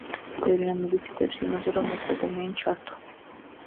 ბევრი რამ მიგვითითებს იმაზე, რომ ეს ადამიანი ჩართო.